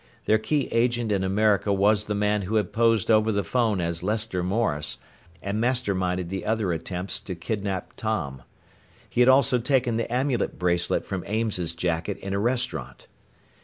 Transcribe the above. Their key agent in America was the man who had posed over the phone as Lester Morris and masterminded the other attempts to kidnap Tom. He had also taken the amulet bracelet from Ames's jacket in a restaurant.